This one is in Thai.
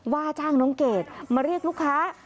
ว่าจ้างน้องเกดมาเรียกลูกค้า